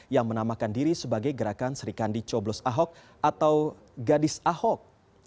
yang menamakan diri sebagai gerakan serikandi coblos ahok atau gadis ahok